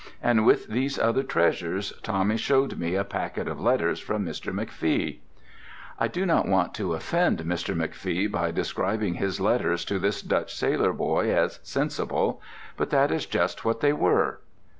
And with these other treasures Tommy showed me a packet of letters from Mr. McFee. I do not want to offend Mr. McFee by describing his letters to this Dutch sailor boy as "sensible," but that is just what they were.